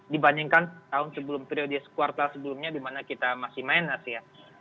dibandingkan tahun sebelum periode kuartal sebelumnya di mana kita masih minus ya